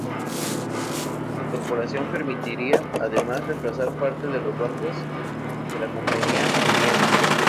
Su incorporación permitirá, además, reemplazar parte de los barcos que la compañía arrienda.